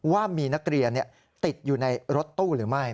ว่ามีนักเรียนติดอยู่ในรถตู้หรือไม่